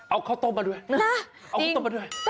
เอาข้าวต้มมาด้วยเอาข้าวต้มมาด้วย